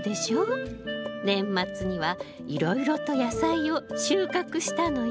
年末にはいろいろと野菜を収穫したのよ。